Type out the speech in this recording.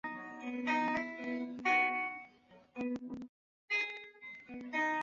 新营郡为台湾日治时期的行政区划之一。